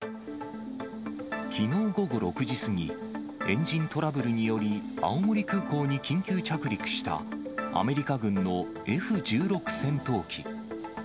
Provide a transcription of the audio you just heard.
きのう午後６時過ぎ、エンジントラブルにより、青森空港に緊急着陸したアメリカ軍のＦ１６戦闘機。